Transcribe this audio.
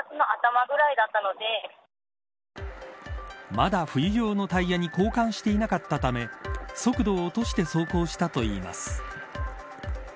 まだ冬用のタイヤに交換していなかったため速度を落として走行したといいます。